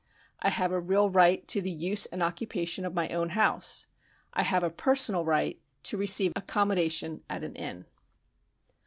I have a real right to the use and occupation of my own house ; I have a personal right to receive accom modation at an inn.